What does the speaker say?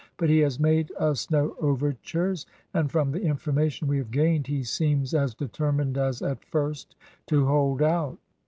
"But he has made us no overtures, and from the information we have gained he seems as determined as at first to hold out."